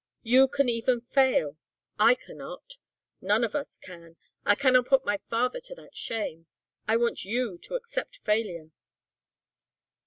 You can even fail. I cannot. None of us can. I cannot put my father to that shame. I want you to accept failure."